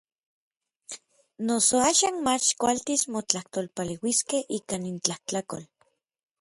Noso axan mach kualtis motlajtolpaleuiskej ikan intlajtlakol.